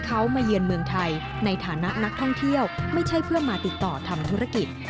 ถ่ายมีชีวิตหรือเฮลีคอปเตอร์